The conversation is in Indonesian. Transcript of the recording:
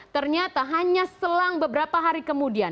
ternyata hanya selang beberapa hari kemudian